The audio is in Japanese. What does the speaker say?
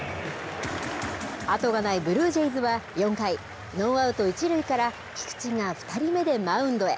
後がないブルージェイズは４回ノーアウト一塁から菊池が２人目でマウンドへ。